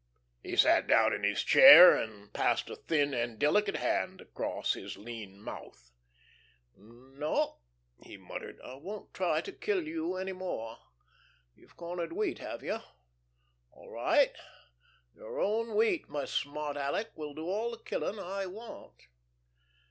'" He sat down in his chair, and passed a thin and delicate hand across his lean mouth. "No," he muttered, "I won't try to kill you any more. You've cornered wheat, have you? All right.... Your own wheat, my smart Aleck, will do all the killing I want."